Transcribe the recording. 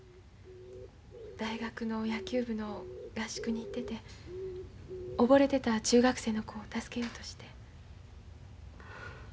大学の野球部の合宿に行ってて溺れてた中学生の子を助けようとして。